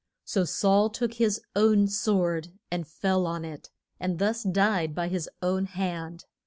So Saul took his own sword and fell on it, and thus died by his own hand.